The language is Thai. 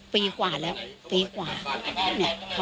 ปีกว่าแล้วปีกว่า